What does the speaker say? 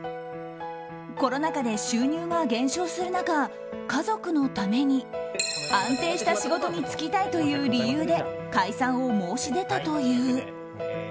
コロナ禍で収入が減少する中家族のために安定した仕事に就きたいという理由で解散を申し出たという。